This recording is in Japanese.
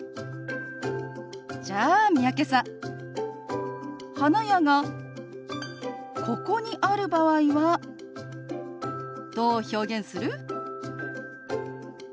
じゃあ三宅さん花屋がここにある場合はどう表現する？